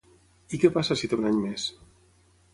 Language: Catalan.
I què passa si té un any més?